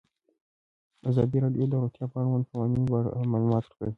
ازادي راډیو د روغتیا د اړونده قوانینو په اړه معلومات ورکړي.